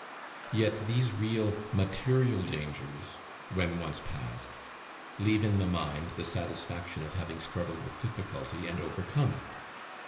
Yet these real, material dangers, when once past, leave in the mind the satisfaction of having struggled with difficulty, and overcome it.